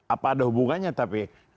apa ada hubungannya tapi